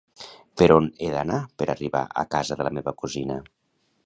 Per on he d'anar per arribar a casa de la meva cosina?